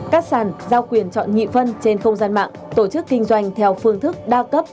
các sàn giao quyền chọn nhị phân trên không gian mạng tổ chức kinh doanh theo phương thức đa cấp